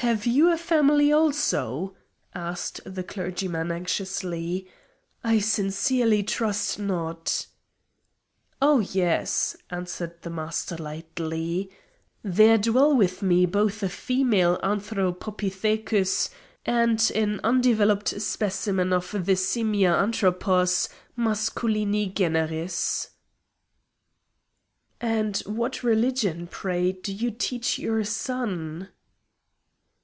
"Have you a family also?" asked the clergyman anxiously; "I sincerely trust not." "Oh yes," answered the Master lightly. "There dwell with me both a female anthropopithecus and an undeveloped specimen of the simia anthropos, masculini generis." "And what religion, pray, do you teach your son?"